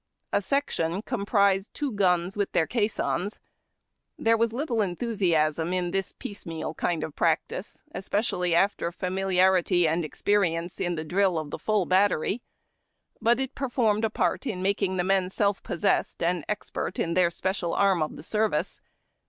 A section comprised two guns with their caissons. There was little enthusiasm in this piecemeal kind of practice, espe cially after familiarity and experience in the drill of the full battery ; but it performed a part in making the men self possessed and expert in their special arm of the service.